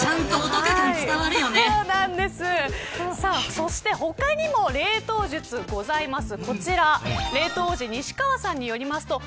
そして他にも冷凍術がございます。